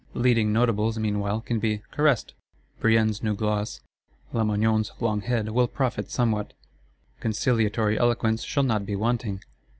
Leading Notables meanwhile can be "caressed;" Brienne's new gloss, Lamoignon's long head will profit somewhat; conciliatory eloquence shall not be wanting.